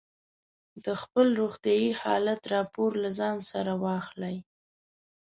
د خپل روغتیايي حالت راپور له ځان سره واخلئ.